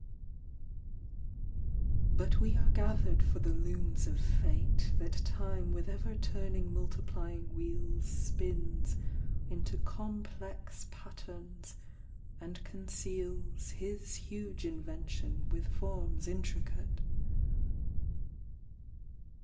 But we are gathered for the looms of Fate That Time with ever turning multiplying wheels Spins into complex patterns and conceals His huge invention with forms intricate.